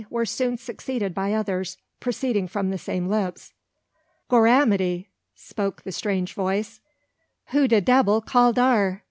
were soon succeeded by others, proceeding from the same lips. "Gorramity!" spoke the strange voice, "who de debbil call dar?